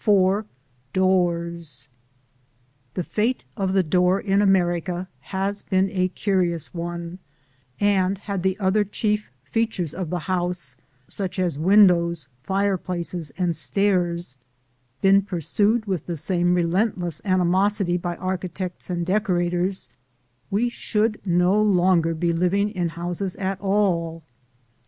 IV DOORS The fate of the door in America has been a curious one, and had the other chief features of the house such as windows, fireplaces, and stairs been pursued with the same relentless animosity by architects and decorators, we should no longer be living in houses at all.